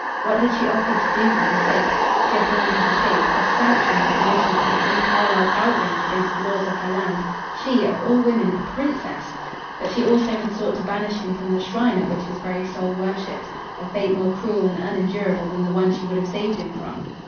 What had she offered to do for his sake? She had planned his escape, had sanctioned the commission of an unparalleled outrage against the laws of her land she, of all women, a Princess! But she also had sought to banish him from the shrine at which his very soul worshiped, a fate more cruel and unendurable than the one she would have saved him from.